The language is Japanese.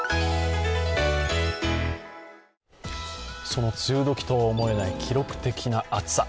その梅雨時とは思えない記録的な暑さ。